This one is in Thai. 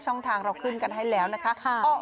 ช่องทางเราขึ้นกันให้แล้วนะคะ